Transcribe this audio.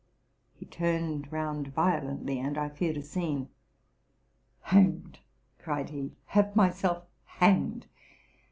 "' He turned round violently, and I feared a scene. '' Hanged cried he, '' have myself hanged!